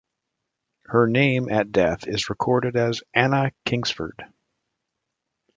Her name at death is recorded as Annie Kingsford.